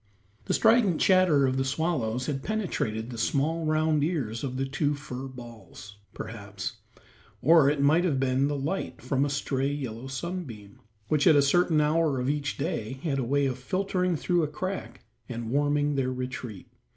The strident chatter of the swallows had penetrated the small round ears of the two fur balls, perhaps, or it might have been the light from a stray yellow sunbeam, which at a certain hour of each day had a way of filtering through a crack and warming their retreat.